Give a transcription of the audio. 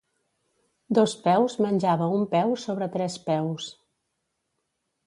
Dos peus menjava un peu sobre tres peus.